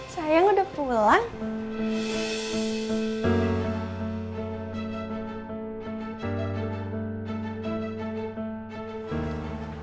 sayang udah pulang